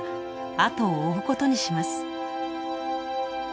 あとを追うことにします。